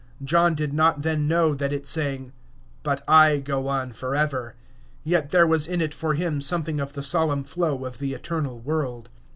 John did not then know that it sang, "But I go on forever," yet there was in it for him something of the solemn flow of the eternal world.